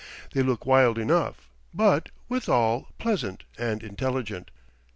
They look wild enough, but, withal, pleasant and intelligent.